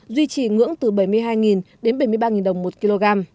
duy trì ngưỡng từ bảy mươi hai đến bảy mươi ba đồng một kg